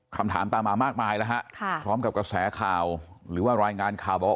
คำถามตามมามากมายแล้วฮะพร้อมกับกระแสข่าวหรือว่ารายงานข่าวบอก